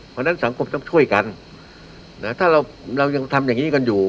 เพราะฉะนั้นสังคมต้องช่วยกันนะถ้าเราเรายังทำอย่างนี้กันอยู่